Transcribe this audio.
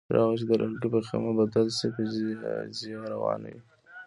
تر هغه چې د لرګي په خمېره بدل شي تجزیه روانه وي.